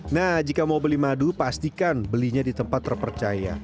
nah jika mau beli madu pastikan belinya di tempat terpercaya